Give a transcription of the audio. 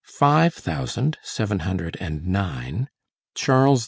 five thousand seven hundred and nine; Charles X.